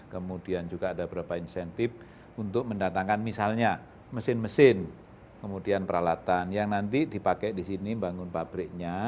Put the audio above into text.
kemudian juga ada beberapa insentif untuk mendatangkan misalnya mesin mesin kemudian peralatan yang nanti dipakai di sini bangun pabriknya